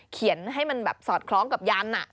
เขียนให้มันสอดคล้องกับยันทร์